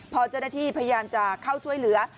พอเจ้าหน้าที่พยายามจะเข้าช่วยเหลือ